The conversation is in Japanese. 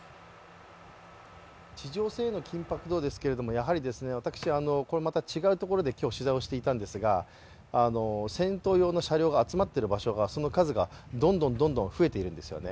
地上戦への緊迫度ですが、やはり私これまた違うところで今日、取材をしていたんですが戦闘用の車両が集まっている場所がその数がどんどんどんどん増えているんですよね。